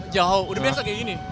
jauh udah biasa kayak gini